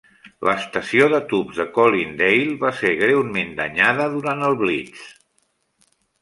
L'estació de tubs de Colindale va ser greument danyada durant el Blitz.